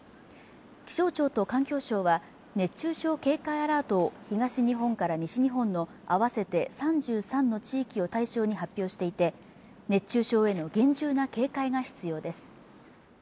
気象庁と環境省は熱中症警戒アラートを東日本から西日本の合わせて３３の地域を対象に発表していて熱中症への厳重な警戒が必要です